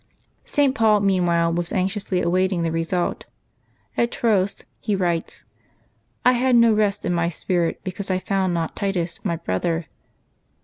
St. Paul meanwhile was anxiously awaiting the result. At Troas he writes, " I had no rest in my spirit, because I found not Titus, my brother.''